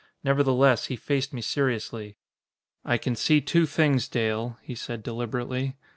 Nevertheless, he faced me seriously. "I can see two things, Dale," he said deliberately.